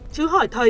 chứ hỏi thầy